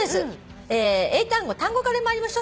単語から参りましょう。